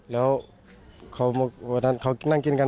ถ้าพี่ไม่ยอมผมก็ไม่ยอมเหมือนกัน